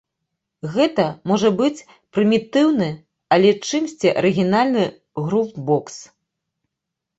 Гэта, можа быць, прымітыўны, але ў чымсьці арыгінальны грув-бокс.